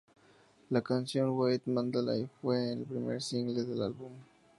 La canción "Way to Mandalay" fue el primer single del álbum.